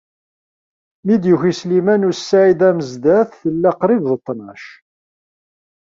Mi d-yuki Sliman u Saɛid Amezdat, tella qrib d ttnac.